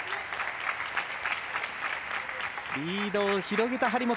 リードを広げた張本。